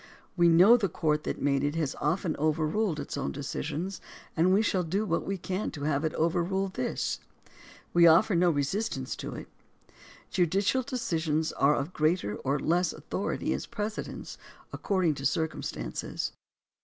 We know the court that made it has often overruled its own decisions, and we shall do what we can to have it overrule this. We offer no resistance to it. Judicial decisions are of greater or less authority as precedents according to circumstances.